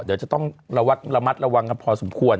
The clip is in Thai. เดี๋ยวจะต้องระมัดระวังกันพอสมควร